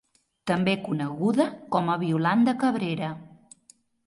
També coneguda com a Violant de Cabrera.